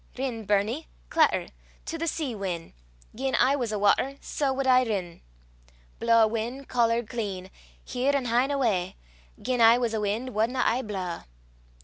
Rin, burnie! clatter; To the sea win: Gien I was a watter, Sae wad I rin. Blaw, win', caller, clean! Here an' hyne awa: Gien I was a win', Wadna I blaw!